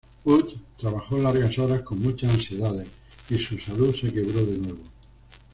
Woods trabajó largas horas con muchas ansiedades, y su salud se quebró de nuevo.